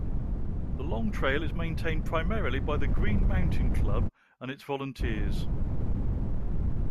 The Long Trail is maintained primarily by the Green Mountain Club and its volunteers.